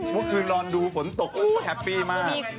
เมื่อคืนนอนดูฝนตกหื้อเฮ้อพี่มาก